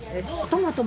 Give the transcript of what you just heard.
トマト！